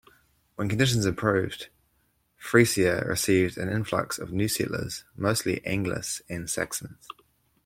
When conditions improved, Frisia received an influx of new settlers, mostly Angles and Saxons.